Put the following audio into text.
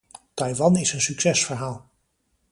Taiwan is een succesverhaal.